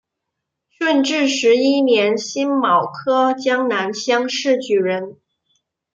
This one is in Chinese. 顺治十一年辛卯科江南乡试举人。